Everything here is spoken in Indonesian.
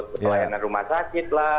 pelayanan rumah sakit lah